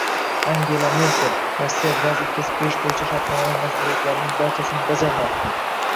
Angela Merkel: “Rossiya gaz yetkazib berish bo‘yicha shartnomaviy majburiyatlarining barchasini bajarmoqda”